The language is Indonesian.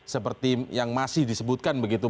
seperti yang masih disebutkan begitu